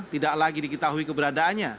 tidak lagi diketahui keberadaannya